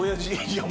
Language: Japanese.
いや。